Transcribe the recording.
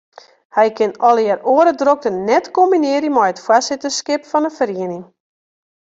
Hij kin allegear oare drokten net kombinearje mei it foarsitterskip fan 'e feriening.